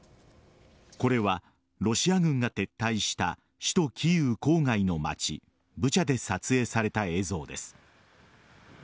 これはロシア軍が撤退した首都・キーウ郊外の町ブチャで撮影された映像です。